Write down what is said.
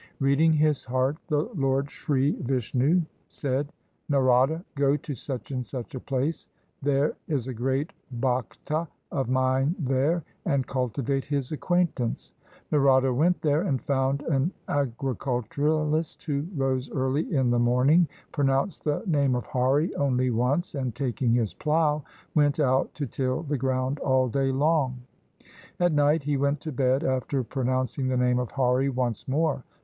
Reading his heart the Lord Sri Vishnu said, " Narada, go to such and such a place, there is a great Bhakta of mine there, and cultivate his acquaintance." Narada went there and found an agri culturist who rose early in the morning, pronounced the name of Hari only once, and taking his plough went out to till the ground all day long. At night he went to bed after pronouncing the name of Hari once more.